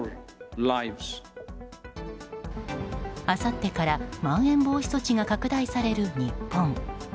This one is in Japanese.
あさってからまん延防止措置が拡大される日本。